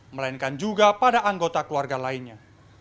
melainkan juga pada anggota keluarga lainnya